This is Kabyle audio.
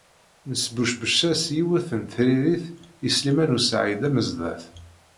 Nesbucbec-as yiwet n tririt i Sliman u Saɛid Amezdat.